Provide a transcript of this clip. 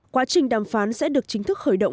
quá trình đàm phán sẽ được chính thức khởi động